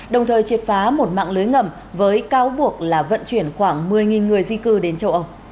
đồng thời triệt phá một mạng lưới ngầm với cáo buộc là vận chuyển khoảng một mươi người di cư đến châu âu